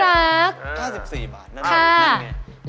๙๔บาทน่ารักนิดนึง